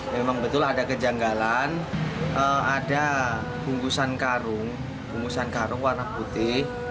memang betul ada kejanggalan ada bungkusan karung bungkusan karung warna putih